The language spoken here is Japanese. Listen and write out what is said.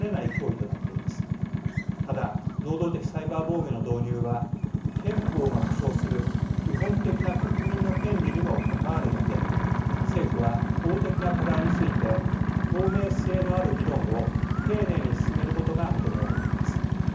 ただ能動的サイバー防御の導入は憲法が保障する基本的な国民の権利にも関わるだけに政府は法的な課題について透明性のある議論を丁寧に進めることが求められています。